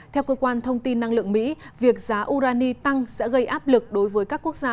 theo cơ quan thông tin năng lượng mỹ việc giá urani tăng sẽ gây áp lực đối với các quốc gia